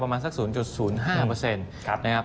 ประมาณสัก๐๐๕